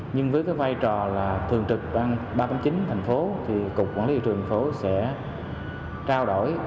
nhưng với cái vai trò là thường trực ban ba trăm tám mươi chín thành phố thì cục quản lý thị trường thành phố sẽ trao đổi